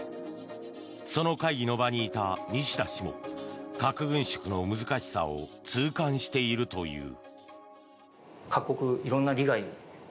その会議の場にいた西田氏も核軍縮の難しさを痛感しているという。